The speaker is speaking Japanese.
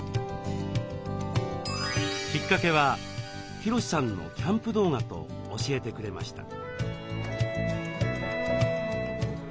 きっかけはヒロシさんのキャンプ動画と教えてくれました。